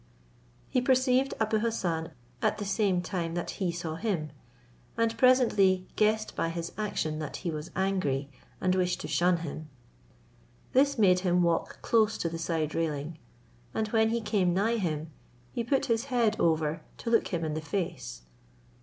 He perceived Abou Hassan at the same time that he saw him, and presently guessed by his action that he was angry, and wished to shun him. This made him walk close to the side railing; and when he came nigh him, he put his head over to look him in the face.